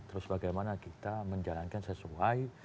terus bagaimana kita menjalankan sesuai